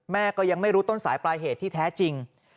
แม่ก็ยังไม่รู้ต้นสายปลายเหตุที่แท้จริง